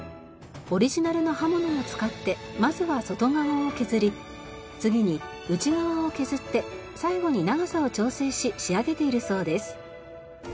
オリジナルの刃物を使ってまずは外側を削り次に内側を削って最後に長さを調整し仕上げているそうです。